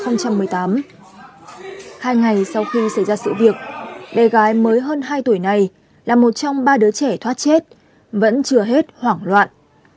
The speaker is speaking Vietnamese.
hai ngày sau khi xảy ra sự việc bé gái mới hơn hai tuổi này là một trong ba đứa trẻ thoát chết vẫn chưa hết hoảng loạn